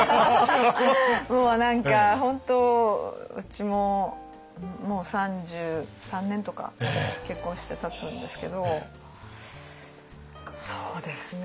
もう何か本当うちももう３３年とか結婚してたつんですけどそうですね